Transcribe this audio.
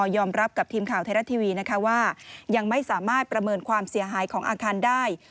ยอมรับกับทีมข่าวไทยรัฐทีวีนะคะว่ายังไม่สามารถประเมินความเสียหายของอาคารได้